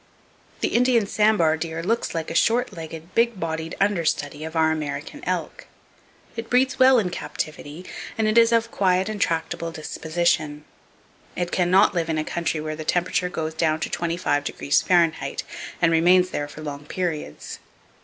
The Indian sambar deer looks like a short legged big bodied understudy of our American elk. It breeds well in captivity, and it is of quiet [Page 373] and tractable disposition. It can not live in a country where the temperature goes down to 25° F. and remains there for long periods.